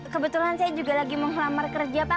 kebetulan saya juga lagi mau melamar kerja pak